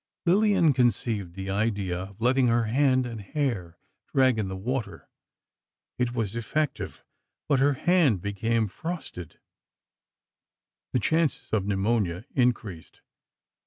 Lillian conceived the idea of letting her hand and hair drag in the water. It was effective, but her hand became frosted; the chances of pneumonia increased.